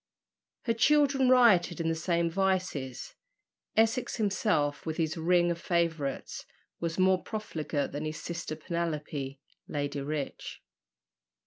Her children rioted in the same vices. Essex himself, with his ring of favourites, was not more profligate than his sister Penelope, Lady Rich.